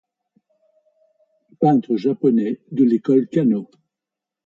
Peintre japonais de l'École Kanō.